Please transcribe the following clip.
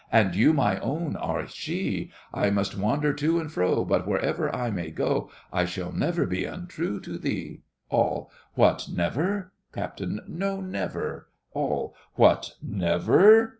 And you, my own, are she— I must wander to and fro; But wherever I may go, I shall never be untrue to thee! ALL. What, never? CAPT. No, never! ALL. What, never!